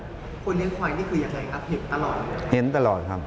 คุณเลี้ยงควายนี่คืออย่างไรครับเห็นตลอดหรือเปล่า